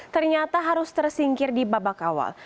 ternyata harus tersingkir di babak awal